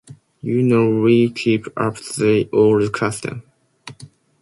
You know we keep up the old custom.